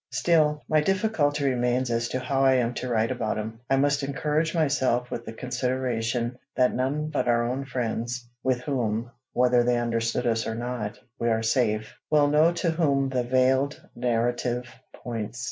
Still, my difficulty remains as to how I am to write about him. I must encourage myself with the consideration that none but our own friends, with whom, whether they understood us or not, we are safe, will know to whom the veiled narrative points.